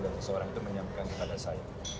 dan seseorang itu menyampaikan kepada saya